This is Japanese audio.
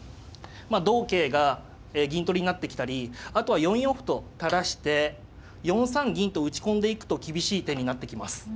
同桂が銀取りになってきたりあとは４四歩と垂らして４三銀と打ち込んでいくと厳しい手になってきます。